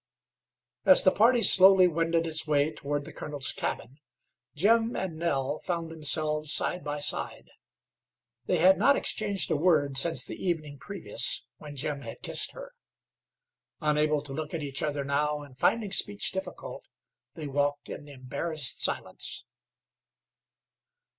As the party slowly wended its way toward the colonel's cabin Jim and Nell found themselves side by side. They had not exchanged a word since the evening previous, when Jim had kissed her. Unable to look at each other now, and finding speech difficult, they walked in embarrassed silence.